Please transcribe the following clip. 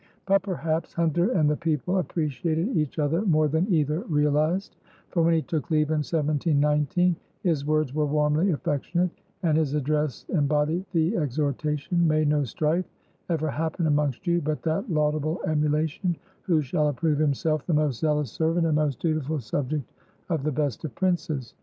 But perhaps Hunter and the people appreciated each other more than either realized, for when he took leave in 1719 his words were warmly affectionate and his address embodied the exhortation: "May no strife ever happen amongst you but that laudable emulation who shall approve himself the most zealous servant and most dutiful subject of the best of Princes."